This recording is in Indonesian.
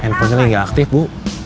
handphonenya nih nggak aktif bu